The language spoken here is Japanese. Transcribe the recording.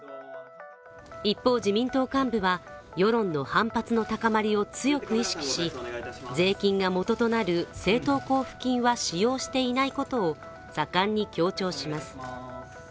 一方、自民党幹部は世論の反発の高まりを強く意識し、税金が元となる政党交付金は使用していないことを盛んに強調します。